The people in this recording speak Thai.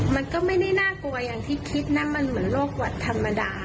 มันก็ไม่ได้น่ากลัวอย่างที่คิดนะมันเหมือนโรคหวัดธรรมดา